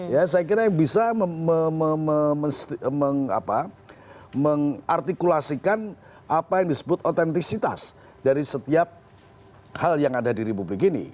ya saya kira yang bisa mengartikulasikan apa yang disebut otentisitas dari setiap hal yang ada di republik ini